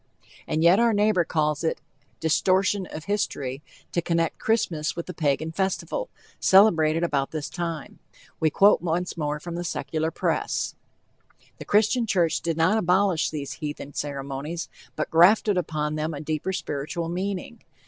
And yet our neighbor calls it "distortion of history" to connect Christmas with the Pagan festival, celebrated about this time. We quote once more from the Secular press: The Christian church did not abolish these heathen ceremonies, but grafted upon them a deeper spiritual meaning.